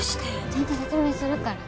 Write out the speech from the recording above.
ちゃんと説明するから。